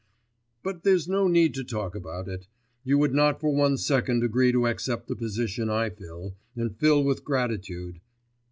But there's no need to talk about it! You would not for one second agree to accept the position I fill, and fill with gratitude!